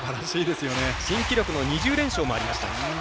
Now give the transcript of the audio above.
新記録の２０連勝もありました。